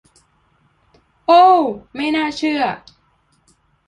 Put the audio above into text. โอว ไม่น่าเชื่อ !